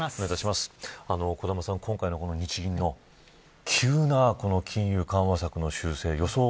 小玉さん、今回の日銀の急な金融緩和策の修正